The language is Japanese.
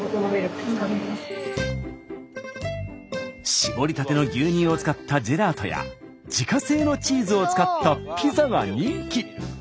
搾りたての牛乳を使ったジェラートや自家製のチーズを使ったピザが人気。